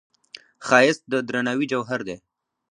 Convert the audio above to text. ښایست د درناوي جوهر دی